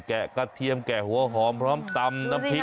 กระเทียมแกะหัวหอมพร้อมตำน้ำพริก